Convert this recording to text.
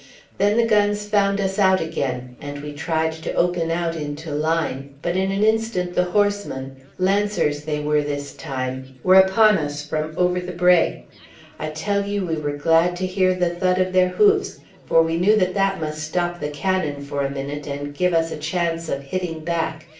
Then the guns found us out again, and we tried to open out into line; but in an instant the horsemen lancers they were this time were upon us from over the brae. I tell you we were glad to hear the thud of their hoofs, for we knew that that must stop the cannon for a minute and give us a chance of hitting back.